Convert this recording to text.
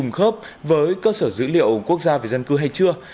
nếu không số điện thoại của mình đã trùng khớp với cơ sở dữ liệu quốc gia về dân cư hay chưa